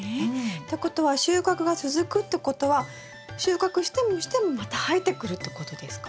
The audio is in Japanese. ってことは収穫が続くってことは収穫してもしてもまた生えてくるってことですか？